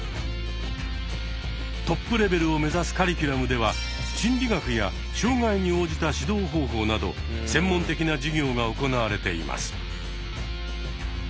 トップレベルをめざすカリキュラムでは心理学や障害に応じた指導方法など専門的な授業が行われています。